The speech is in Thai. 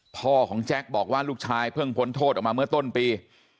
พ่อของแจ็คบอกว่าลูกชายเพิ่งพ้นโทษออกมาเมื่อต้นปี